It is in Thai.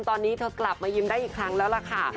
ตอนนี้เธอกลับมายิ้มได้อีกครั้งแล้วล่ะค่ะ